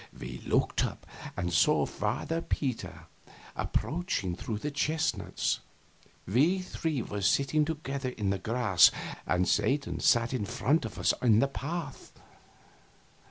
We looked up and saw Father Peter approaching through the chestnuts. We three were sitting together in the grass, and Satan sat in front of us in the path.